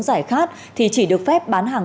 giải khát thì chỉ được phép bán hàng